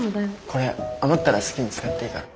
これ余ったら好きに使っていいから。